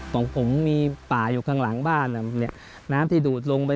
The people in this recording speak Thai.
ของผมมีป่าอยู่ข้างหลังบ้านเนี่ยน้ำที่ดูดลงไป